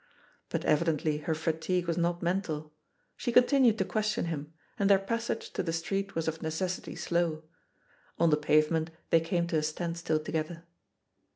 But evidently her fatigue was not mental. She continued to question him; and their passage to the street was of necessity slow. On the pave ment they came to a standstill together.